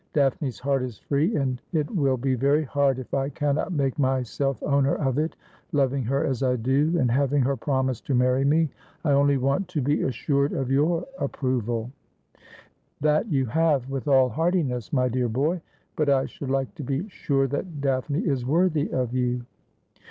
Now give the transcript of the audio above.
Daphne's heart is free, and it will be very hard if I cannot make myself owner of it, loving her as I do, and having her promise to marry me. I only want to be assured of your approval.' ' That you have with all heartiness, my dear boy. But I should like to be sure that Daphne is worthy of you.'